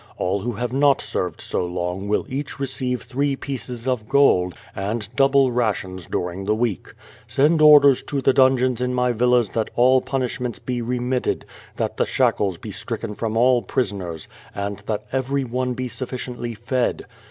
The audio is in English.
All who have not served so long will leach receive three pieces of gold, and double rations durinj; ithe week. Send orders to the dungeons in my villas that all punishments be remitted, that the shackles be stricken from all prisoners, and that every one be sufficiently fed.